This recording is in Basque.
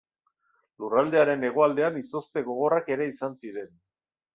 Lurraldearen hegoaldean izozte gogorrak ere izan ziren.